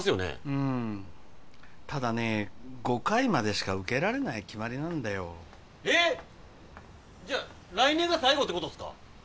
うんただね５回までしか受けられない決まりなんだよえっじゃ来年が最後ってことっすか？